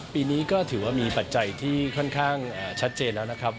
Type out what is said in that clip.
ปีนี้ก็ถือว่ามีปัจจัยที่ค่อนข้างชัดเจนแล้วนะครับ